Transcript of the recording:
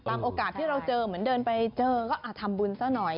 โอกาสที่เราเจอเหมือนเดินไปเจอก็ทำบุญซะหน่อย